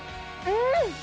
うん！